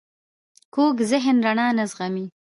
کوږ ذهن رڼا نه زغمي